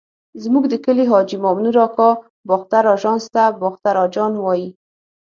زموږ د کلي حاجي مامنور اکا باختر اژانس ته باختر اجان ویل.